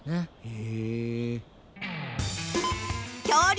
へえ。